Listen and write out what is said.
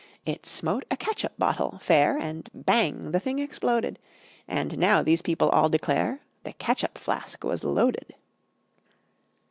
It smote a catsup bottle, fair, And bang! the thing exploded! And now these people all declare That catsup flask was loaded.